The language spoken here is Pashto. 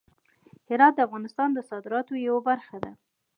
هرات د افغانستان د صادراتو یوه برخه ده.